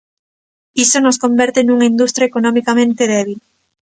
Iso nos converte nunha industria economicamente débil.